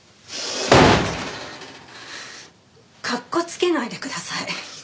かっこつけないでください！